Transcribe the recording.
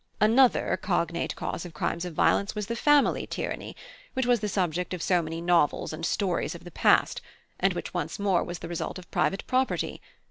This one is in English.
"Another cognate cause of crimes of violence was the family tyranny, which was the subject of so many novels and stories of the past, and which once more was the result of private property.